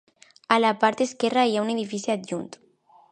A la part esquerra, hi ha un edifici adjunt.